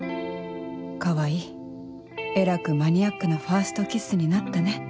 川合えらくマニアックなファーストキスになったね